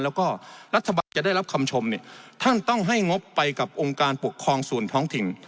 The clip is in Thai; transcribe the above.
แล้วก็รัฐบาลจะได้รับคำชมเนี่ยท่านต้องให้งบไปกับองค์การปกครองส่วนท้องถิ่น